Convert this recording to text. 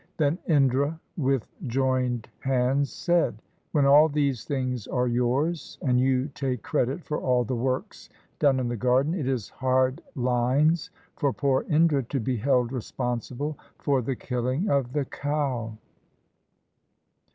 Then Indra with joined hands said, "When all these things are yours, and you take credit for all the works done in the garden, it is hard lines for poor Indra to be held responsible for the killing of the cow."